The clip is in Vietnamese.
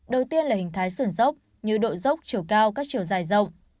đầu tiên là hình thái sườn dốc như độ dốc chiều cao các chiều dài rộng